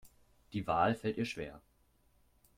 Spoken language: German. Die Wahl fällt ihr schwer.